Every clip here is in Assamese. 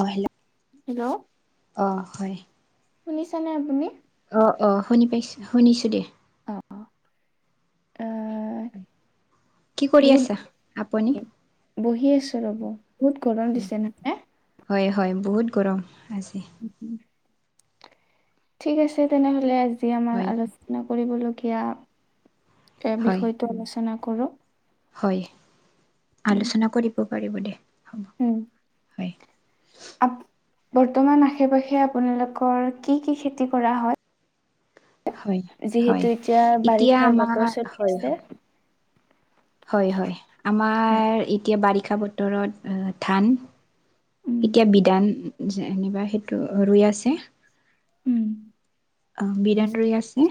অঁ হেল্ল' হেল্ল' অঁ হয় শুনিছানে আপুনি? অ অ শুনি পাইছো শুনিছো দে। অ এ কি কৰি বহুত আছা? আপ বহি আছো ৰ'ব, বহুত গৰম হয় দিছে নহয়। হয় হয়, বহুত গৰম। আজি উম- উম ঠিক আছে তেনেহলে আজি আমাৰ হয় আলোচনা কৰিবলগীয়া এ হয় বিষয়টো আলোচনা কৰো হয়, উম। আলোচনা কৰিব পাৰিব দে হ'ব উম হয়। আপ বৰ্তমান আশে -পাশে আপোনালোকৰ কি -কি খেতি কৰা হয়? হয় হয় যিহেতু এতিয়া এতিয়া বাৰিষাৰ আমাৰ বতৰ চলি হয় আছে হয় হয়- হয় হয়। আমাৰ এতিয়া বাৰিষা বতৰত ধান, উম এতিয়া বিধান যেনিবা সেইটো ৰুই আছে উম অহ, বিদান ৰুই আছে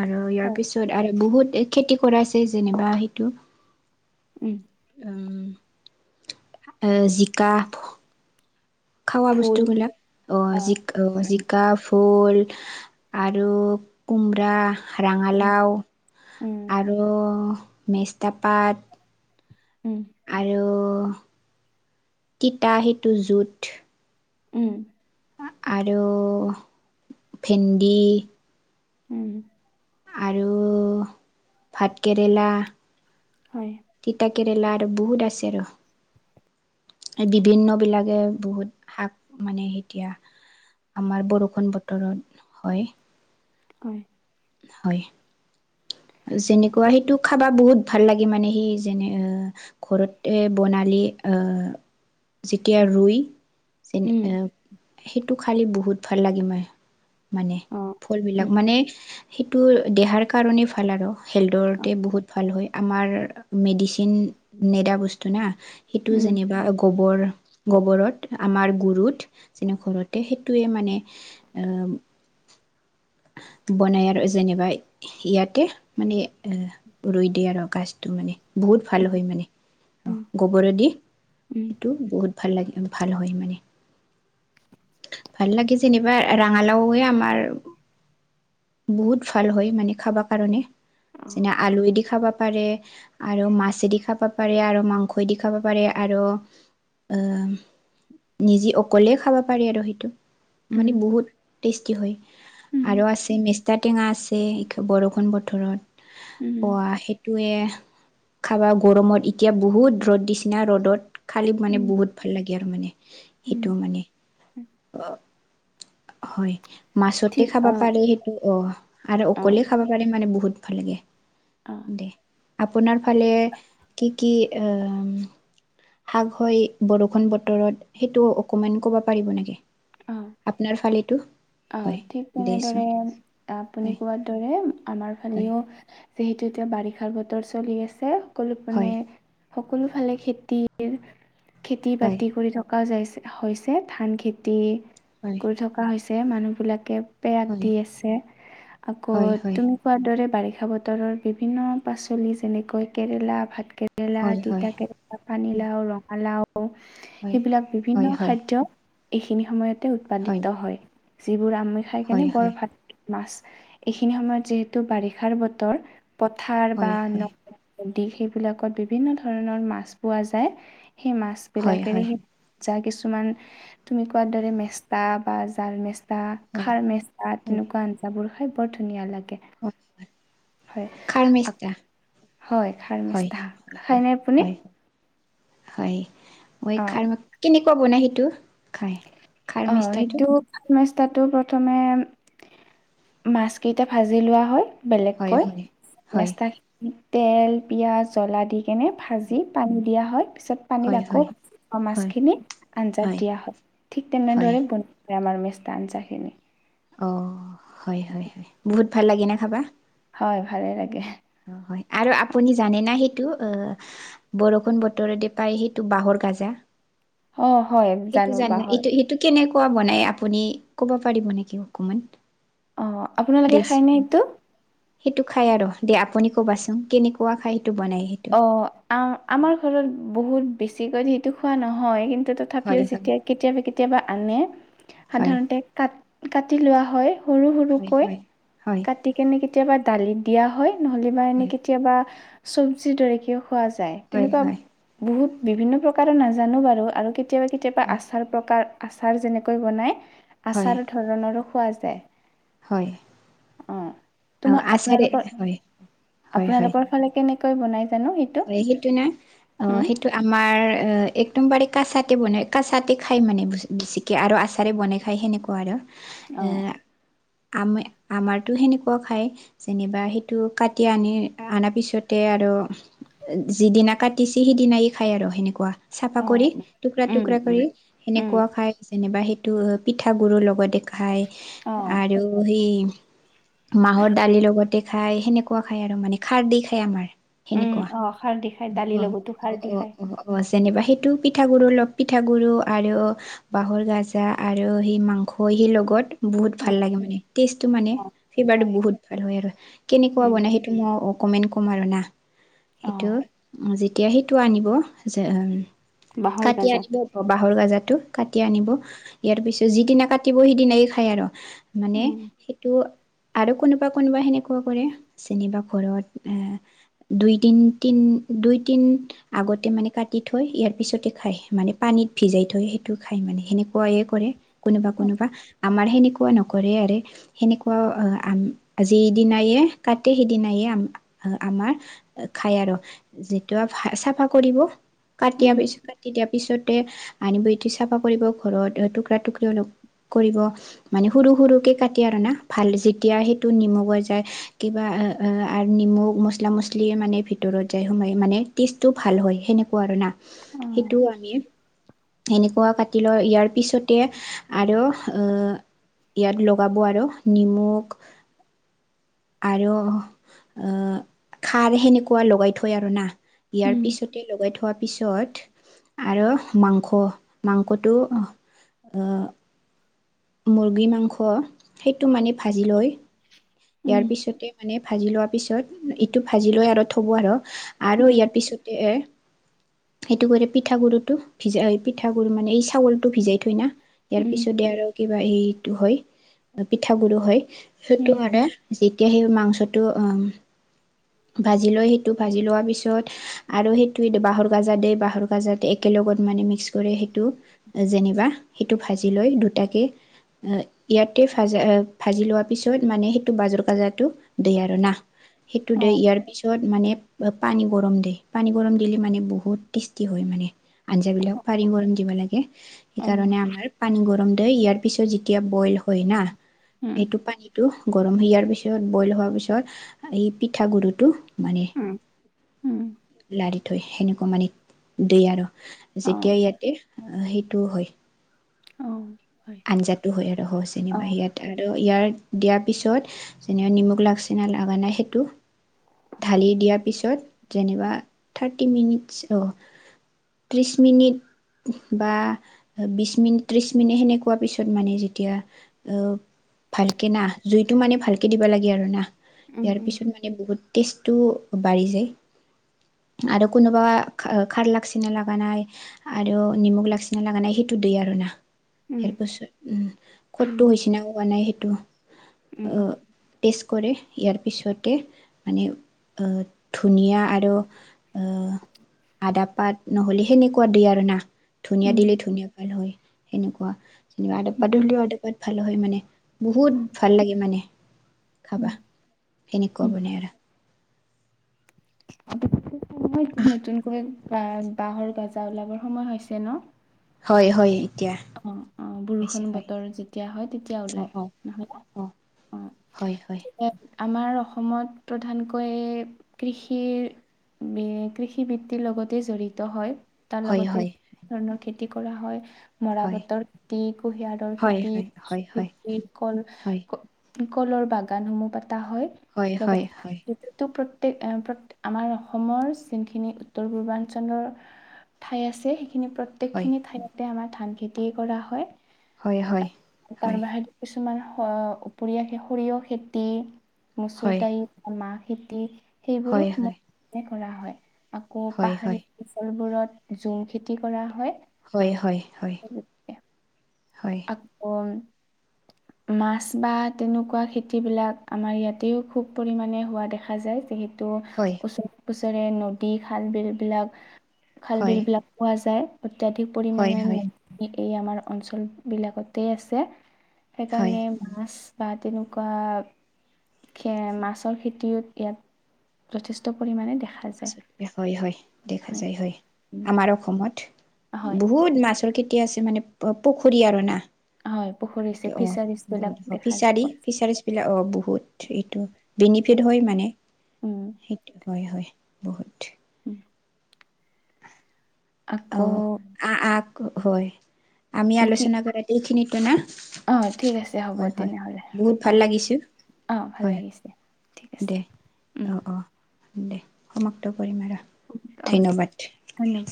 আৰু ইয়াৰ হয় পিছত আৰু বহুত খেতি কৰাইছে যেনিবা সেইটো, উম উম অ'জিকা ভো খাৱা ফুল বস্তুবিলাক অহ আহ জিক অহ জিকা, ভোল আৰু কুমৰা, উম ৰাঙালাও উম আৰু মেষ্টা পাত উম আৰু তিতা সেইটো জোথ উম আৰু ভেন্দি উম আৰু ভাতকেৰেলা হয়। তিতা কেৰেলা আৰু বহুত আছে আৰু বিভিন্ন বিলাকে বহুত শাক মানে এতিয়া আমাৰ বৰষুণ বতৰত হয় হয় হয়। [inaudible] যেনেকুৱা সেইটো খাবা বহুত ভাল লাগে মানে সি যেনে ঘৰতে বনালি অহ যেতিয়া ৰুই যেনে এ সেইটো খালি বহুত ভাল লাগি মাই মানে ফল বিলাক মানে সেইটো দেহাৰ কাৰণে ভাল আৰু। হেল্দৰতে বহুত ভাল হয় আমাৰ মেডিচিন নেদা বস্তু না। সেইটো যেনিবা গোবৰ গোবৰত আমাৰ গুৰুত যেনে ঘৰতে সেইটোৱে মানে এ [inaudible] বনায় আৰু যেনিবা ইয়াতে মানে ৰুই দিয়ে আৰু গাজটো মানে বহুত ভাল হয় মানে অহ গোবৰেদি সেইটো বহুত ভাল লাগে ভাল হয় মানে। ভাল লাগে যেনিবা ৰাঙালাওৱে আমাৰ বহুত ভাল হয় মানে খাবা কাৰণে। যেনে আলুয়েদি খাবা পাৰে আৰু মাছেদি খাবা পাৰে আৰু মাংসইদি খাবা পাৰে আৰু নিজে অকলে খাবা পাৰে আৰু সেইটো মানে বহুত টেষ্টি হয় আৰু আছে মেষ্টা টেঙা আছে বৰষুণ বতৰত পোৱা সেইটোয়ে খাবা গৰমত এতিয়া বহুত ৰ'দ দিচিনা ৰ'দত খালি মানে বহুত ভাল লাগে। ইয়াৰ মানে সেইটো মানে অহ হয় মাছতে খাবা অ পাৰে সেইটো অহ আৰু অ অকলে খাবা পাৰে মানে বহুত ভাল লাগে। অ দে আপোনাৰ ফালে কি কি এ শাক হয় বৰষুণ বতৰত সেইটো অকমান কব পাৰিব নেকি অ আপোনাৰ ফালেটো অ ঠিক তেনেদৰে আপুনি হয় কোৱাৰ দৰে আমাৰ হয় ফালেও যিহেতু এতিয়া বাৰিষাৰ বতৰ চলি আছে সকলো মানে হয় সকলো ফালে খেতিৰ খেতি হয় বাতি কৰি থকাও যাইছে হৈছে ধান খেতি হয় কৰি থকা হৈছ- মানুহ বিলাকে পেয়াক হয় দি আছে আকৌ হয় হয় তুমি কোৱাৰ দৰে বাৰিষা বতৰৰ বিভিন্ন পাচলি যেনেকৈ কেৰেলা, ভাত- কেৰেলা, হয় হয় তিতা কেৰেলা, পানী হয় লাও, ৰঙালাও। হয় সেইবিলাক বিভিন্ন হয় হয় খাদ্য এইখিনি সময়তে উৎপাদিত হয়। যিবোৰ আমি খাই কেনে হয় বৰ হয় ভাত, মাছ এইখিনি সময়ত যিহেতু বাৰিষাৰ বতৰ। পথাৰ বা হয় ন হয় নদী সেইবিলাকত বিভিন্ন ধৰণৰ মাছ পোৱা যায়। সেই মাছ হয় বিলাকেৰে সেই যা কিছুমান তুমি কোৱাৰ দৰে মেষ্টা বা জাল মেচা হয় হয় খাৰ মেচা হয় তেনেকুৱা আঞ্জা বোৰ খাই বৰ ধুনীয়া লাগে। হয় হয় খাৰ মেষ্টা হয় খাৰ হয় মিষ্ঠা। হয় খাই হয় নে আপুনি? হয় হয় মই অ', খাই মই কেনেকুৱা বনাই সেইটো খাই। খাৰমিষ্টাটো মেছাটো প্ৰথমে মাছকেইটা ভাজি লোৱা হয় হয় বেলেগকৈ হয় হয় মেষ্টাখিনি তেল পিঁয়াজ জ্বলা দিকেনে ভাজি পানী দিয়া হয়। তাৰপিছত হয় পানীত আকৌ হয় হয় মাজখিনি আঞ্জাত দিয়া হয় ঠিক হয় তেনেদৰে বন- আমাৰ মেষ্টা আঞ্জাখিনি অ হয় হয় হয় বহুত ভাল লাগে না খাবা। হয় ভালে লাগে অ হয় আৰু আপুনি জানে না সেইটো অ বৰষুণ বতৰতে পাই সেইটো বাহৰ গাজা। অ হয় সেইটো জানো জানটো বাঁহৰ সটো কেনেক ক বনাই আপুনি ক'ব পাৰিব নেকি অকমান? অ, আপোনালোকে দেচ খায়নে সেইটো। সেইটো খাই আৰু দিয়া আপুনি কবাচোন কেনেকুৱা খায়? অ, আ আমাৰ ঘৰত বহুত বেছিকৈ সেইটো খোৱা নহয় কিন্- তথাপিও হয় যেতিয়া কেতিয়াবা, কেতিয়াবা আনে। হয় সাধাৰণতে কাট কাটি লোৱা হয়। হয় সৰু-সৰুকৈ হয় হয় কাটিকনে কেতিয়াবা দালিত দিয়া হয়। নহ'লে বা এনেই কেতিয়াবা চব্জিৰ দৰেকেও খোৱা যায়। হয় হয় তেনেকুৱা হয় বহুত বিভিন্ন প্ৰকাৰৰ নাজানো বাৰু আৰু কেতিয়াবা কেতিয়াবা হয় আচাৰ প্ৰকাৰ আচাৰ যেনেকৈ বনায় হয় আচাৰ ধৰণৰো খোৱা যায়। হয়। অ আৰু তোমাৰ আচাৰে আপোনালোকৰ হয় হয় হয় আপোনালোকৰ ফালে কেনেকৈ বনাই? হয়, সেইটো নে? অ উম সেইটো আমাৰ অ একদম বাৰে কাচাতে বনাই। কাচাতে খায় মানে বেছিকৈ আৰু আচাৰে বনাই খায় সেনেকুৱা আৰু। অহ। আম আমাৰতো সেনেকুৱা খায় যেনিবা সেইটো কাটি আনি অনাৰ পিছতে আৰু ত যিদিনা কাটিছে সিদিনাই খাই আৰু সেনেকুৱা। চাফা অ কৰি উম টুকুৰা-টুকুৰা উম কৰি উম সেনেকুৱা খাই যেনবা। সেই- টো পিঠাগুুৰৰ লগতে খায় অ', আৰু সেই- মাহৰ দালিৰ লগতে খাই সেনেকুৱা খায় আৰু মানে খাৰ দি খায় আমাৰ। উম সেনেকুৱা। অ খাৰ দি খাই দালিৰ অ, লগতো খাৰ দি অ, খাই অ, অ। যেনিবা সেইটো পিঠাগুৰু অলপ পিঠা গুৰু আৰু বাহৰ গাজা আৰু সেই মাংস বহি লগত। বহুত উম ভাল লাগে মানে, টেষ্টটো মানে, অ ফভাৰটো হয় বহুত ভাল হয় আৰু কেনেকুৱা উম বনাই সেইটো মই কমেণ্ট ক'ম আৰু না অ সেইটো যেতিয়া সেইটো আনিব যে বাঁহৰ কাটি গাজাত আনিব বাহৰ গাজত টো কাটি আনিব ইয়াৰ পিছত যিদিনা কাটিব সিদিনাই খাই আৰু। মানে উম সেইটো আৰু কোনোবা, কোনোবা সেনেকুৱা কৰে যেনিবা ঘৰত এ দুই তিনি তিন দুই তিন আগতে মানে কাটি থৈ ইয়াৰ পিছতে খায়। মানে পানীত ভিজাই [unintelligible] থৈ সেইটো খাই মানে সেনেকুৱাই কৰে কোনোবা অ কোনোবা। আমাৰ সেনেকুৱা নকৰে আৰু সেনেকুৱা যি দিনায়ে কাটে সিদিনায়ে আমাৰ খাই আৰু যিটো চাফা কৰিব কাটিয়া পিছত কাটি দিয়া পিছত। তে আনিব এঠি চাফা কৰিব ঘৰত টুকুৰা-টুকুৰি অলপ। কৰিব মানে সৰু-সৰুকে কাটি আৰু না ভাল যেতিয়া সেইটো নিমু যায় কিবা নিমু মচলা মছল। মানে ভিতৰত যায় সোমাই মানে টেষ্টটো ভাল হয়। সেনেকুৱা আৰু না। সেইটো আমি এনেকুৱা কাটি লওঁ ইয়াৰ পিছতে আৰু ইয়াত লগাব আৰু নিমখ, আৰু আহ খাৰ, সেনেকুৱা লগাই থৈ আৰু না। ইয়াৰ পিছতে লগাই থোৱা পিছত আৰু মাংস মাংসটো মুৰ্গী মাংস সেইটো মানে ভাজি লয়। ইয়াৰ পিছতে মানে ভাজি লোৱাৰ পিছত ইটো ভাজি লৈ আৰু থ'ব আৰু আৰু ইয়াৰ পিছতে সেইটো কৰে পিঠা গুৰুটো ভিজা পিঠাগুৰু মানে এই চাউলটো ভিজাই থৈ না। ইয়াৰ পিছতে আৰু কিবা এইটো হয়, পিঠা গুড়ো হয়, সেইটো মানে তেতিয়া সেই মাংসটো ভাজি লয়। সেইটো ভাজি লোৱা পিছত আৰু সেইটো বাহৰ গাজা দি বাহৰ গাজা একেলগে [unintelligible] লগত মানে মিক্স কৰে সেইটো যেনিবা সেইটো ভাজি লৈ দুটাকে আহ ইয়াতে ভাজা ভাজি লোৱাৰ পিছত মানে সেইটো বাজৰ কাজাটো দিয়ে আৰু না। [unintelligible] টো দে ইয়াৰ পিছত মানে পানী গৰম দিয়ে পানী গৰম দিলে মানে বহুত টেষ্টি হয় মানে আঞ্জাবিলাক পানী গৰম দিব লাগে সেইকাৰণে আমাৰ পানী গৰম দ ইয়াত তাৰ পিছত যেতিয়া বইল হয় না এইটো পানীতটো গৰম হাৰ পিছত বইল হোৱাৰ পিছত এই পিঠাগুৰিটো মানে লাৰি থৈ সেনেকুৱা মানে দ আৰু যেতিয়া ইয়াতে অহ সেইটোও হয় আঞ্জাটো হয় আৰু স যেনিবা ইয়াত আৰু ইয়াৰ দিয়াৰ পিছত যেনিবা নিমখ লাগছি ন না নাই সেইটো ঢালি দিয়াৰ পিছত যেনিবা থাৰ্টি মিনিটছ অ' ত্ৰিশ মিনিট বা বিশ মিনিট ত্ৰিশ মিনিট সেনো খোৱা পিছত মানে যেতিয়া অ ভালকে না জুইতটো মানে ভালকে দিবা লাগে আৰু না ইয়াৰ পিছত মানে বহুত টেষ্টটো বাঢ়ি যায় আৰু কোনোবা খাৰ লাগচি ন লগা নাই আৰু নিমখ লাগচি ন লগা নাই সেইটো [unintelligible] সুদেই আৰু না [unintelligible] ইয়াৰ পাছত উম কতটো হৈছে না উব নাই সেইটো অ [unintelligible] কৰে ইয়াৰ পিছতে মানে ধুনীয়া আৰু আদা পাত নহ'লে সেনেকুৱা দ আৰু না ধুনীয়া দিলে উম ধুনীয়া পাল হয় সেনেকুৱা [unintelligible] যেনিবা আদব হুম পাত হলেও আদব পাত ভাল হয় মানে বহুত ভাল লাগে মানে [unintelligible] খাবা সেনেকুৱা বনে আৰু মই এতিয়া নতুনকৈ ব বাঁহৰ গাজা ওলাবৰ সময় হৈছে ন [unintelligible] হয় হয় এতিয়া অ অ পাইছে বৰষুণ হয় বতৰ যেতিয়া হয় তেতিয়া অঁ অঁ ওলাই নহলে। অঁ হয় হয় আমাৰ অসমত প্ৰধানকৈ এ কৃষিৰ উম বে কৃষি বৃত্তিৰ লগতে জড়িত হয় তাৰ হয় লগতে হয় বিভিন্ন ধৰণৰ খেতি কৰা হয়। হয় মৰাপাটৰ খেতি, কুঁহিয়াৰৰ হয় খেতি, হয় হয় হয় খেতি কল হয় কলৰ বাগানসমূহ পাতা হয় হয় হয় হয় হয় লগতে প্ৰত্যেক প আমাৰ অসমৰ যোনখিনি উত্তৰ পূৰ্বাঞ্চলৰ ঠাই আছে। সেই খিনি প্ৰত্যেক খিনি ঠাইতে আমাৰ ধান খেতিয়ে কৰা হয় হয় হয় তাৰ হয় বাহিৰে কিছুমান হ উপৰিয়া সে সৰিয়হ খেতি, মচুৰ হয় দাইল, মাহ খেতি সেইবোৰো হয় হয় সমানে কৰা হয়। আকৌ হয় হয় পাহাৰীয়া অঞ্চলবোৰত ঝুম খেতি কৰা হয়। হয় হয় হয় হয় আকৌ মাছ বা তেনেকুৱা খেতিবিলাক আমাৰ ইয়াতেও খুব পৰিমাণে হোৱা দেখা যায় যিহে তু হয় ওচৰে পুচৰে নদী খাল বিল বিলাক খাল হয় বিল বিলাক পোৱা যায় অত্যাধিক পৰিমাণে হয় নদী এই আমাৰ অঞ্চল বিলাকতে আছে হয় সেইকাৰণে মাছ বা তেনেকুৱা খে মাছৰ খেতিও ইয়াত যথেষ্ট পৰিমাণে দেখা যায় হয় হয় দেখা যায় হয় উম, আমাৰ অসমত হয় বহুত মাছ কেতিয়া আছে মানে প পুখুৰী আৰু না হয় পুখুৰীছে সেইটো অ ফিচাৰিজ বিলাক বহুত দেখা ফিচাৰি পোৱা যায়। ফিচাৰিছ বিলাক অ বহুত। থ্ৰিটো বেনিফিট হয় মানে উম সেইটো হয় হয় বহুত [unintelligible] অ আকৌ আ আ হয় আমি আলোচনা কৰা এইখিনিতেনে অহ ঠিক আছে হ'ব তেনেহলে বহুত অ ভাল লাগিছে অহ ভাল লাগিছে। ঠিক আছে। উম অঁ অঁহ দে সমাপ্ত কৰিম আৰু অ ঠিক ধন্যবাদ ধন্যবাদ।